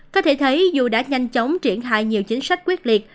có thể thấy dù đã nhanh chóng triển khai nhiều chính sách quyết liệt